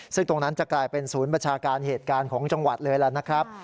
ซึ่งตรงนั้นจะกลายเป็นศูนย์บัญชาการเหตุการณ์ของจังหวัดเลยล่ะนะครับ